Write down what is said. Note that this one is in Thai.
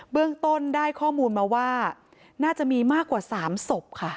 เรื่องต้นได้ข้อมูลมาว่าน่าจะมีมากกว่า๓ศพค่ะ